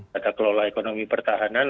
tata kelola ekonomi pertahanan